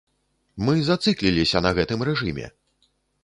Мы зацыкліліся на гэтым рэжыме!